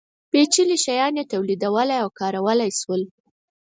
پېچلي شیان یې تولیدولی او کارولی شول.